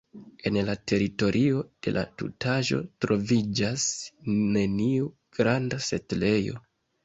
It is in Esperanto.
En la teritorio de la tutaĵo troviĝas neniu granda setlejo.